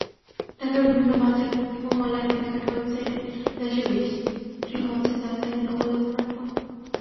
ঢাকার বিভিন্ন বাজার এবং অনলাইন কেনাকাটার ওয়েবসাইটে দেদারসে বিক্রি হচ্ছে স্যামসাংয়ের নকল স্মার্টফোন।